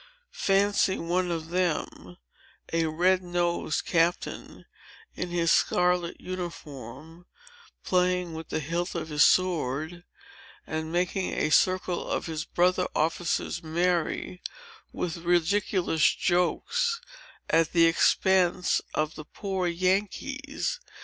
Fancy one of them, a red nosed captain, in his scarlet uniform, playing with the hilt of his sword, and making a circle of his brother officers merry with ridiculous jokes at the expense of the poor Yankees.